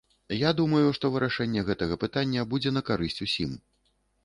Я думаю, што вырашэнне гэтага пытання будзе на карысць усім.